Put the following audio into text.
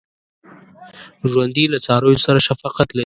ژوندي له څارویو سره شفقت لري